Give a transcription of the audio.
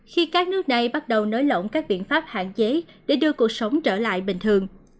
khi các nước này bắt đầu nới lỏng các biện pháp hạn chế để đưa cuộc sống trở lại bình thường